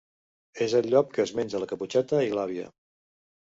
És el llop que es menja la Caputxeta i l'àvia.